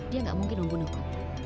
dia nggak mungkin membunuhku